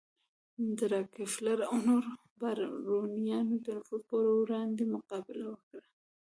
د راکفیلر او نورو بارونیانو د نفوذ پر وړاندې مقابله وکړي.